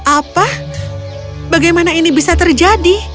apa bagaimana ini bisa terjadi